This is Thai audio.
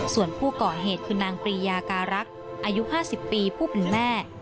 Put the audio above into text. ส่วนผู้ก่อเหตุคือนางปรียาการักษ์อายุ๕๐ปีผู้เป็นแม่